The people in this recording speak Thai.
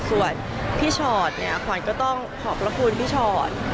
ส่วนพี่ชอตเนี่ยขวัญก็ต้องขอบพระคุณพี่ชอต